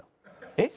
えっ？